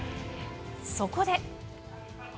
そこで。